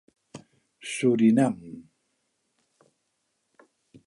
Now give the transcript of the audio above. Surinam.